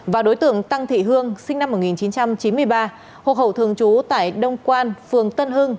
và đối tượng tăng thị hương sinh năm một nghìn chín trăm chín mươi ba hộ khẩu thường trú tại đông quan phường tân hưng